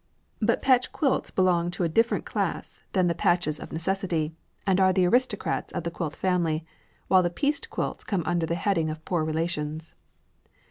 But patch quilts belong to a different class than the patches of necessity, and are the aristocrats of the quilt family, while the pieced quilts came under the heading of poor relations.